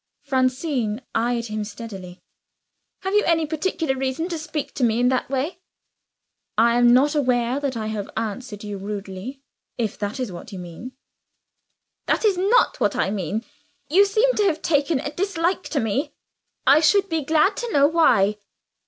Francine eyed him steadily. "Have you any particular reason for speaking to me in that way?" "I am not aware that I have answered you rudely if that is what you mean." "That is not what I mean. You seem to have taken a dislike to me. I should be glad to know why."